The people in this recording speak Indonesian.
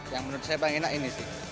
yang menurut saya paling enak ini sih